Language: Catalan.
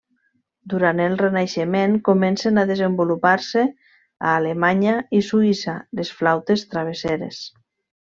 Durant el Renaixement comencen a desenvolupar-se, a Alemanya i Suïssa, les flautes travesseres.